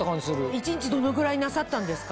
１日どのぐらいなさったんですか？